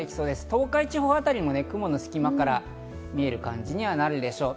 東海地方辺りも雲の隙間から見える感じにはなるでしょう。